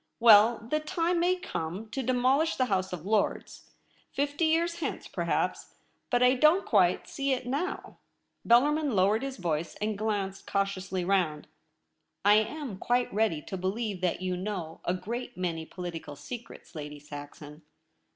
Well, the time may come to^fdemolish the House IN THE LOBBY. of Lords — fifty years hence, perhaps, but I don't quite see it now.' Bellarmin lowered his voice, and glanced cautiously round. ' I am quite ready to believe that you know a great many political secrets, Lady Saxon.